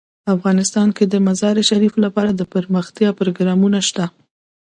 افغانستان کې د مزارشریف لپاره دپرمختیا پروګرامونه شته.